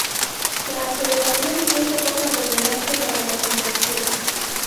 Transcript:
La aceleración es de poca relevancia para la convección.